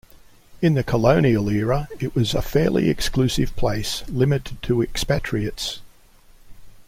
In the colonial era it was a fairly exclusive place limited to expatriates.